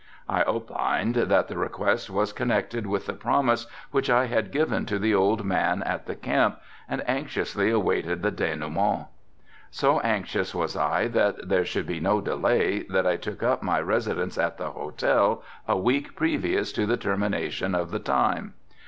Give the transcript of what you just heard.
I opined that the request was connected with the promise which I had given to the old man at the camp and anxiously awaited the denouement. So anxious was I that there should be no delay that I took up my residence at the hotel a week previous to the termination of the time.